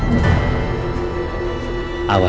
tapi mereka salah tangkep orang